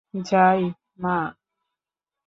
যাই, মা!